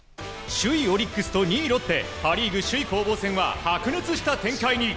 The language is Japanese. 首位オリックスと２位ロッテパ・リーグ首位攻防戦は白熱した展開に。